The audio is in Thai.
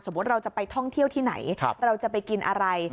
เราจะไปท่องเที่ยวที่ไหนเราจะไปกินอะไร